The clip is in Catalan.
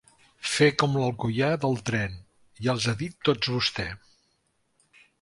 Fer com l'alcoià del tren: ja els ha dit tots vostè.